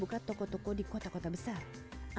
jika hanya memiliki produk yang terkenal di bandara